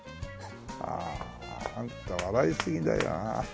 あああんた笑いすぎだよハハハ。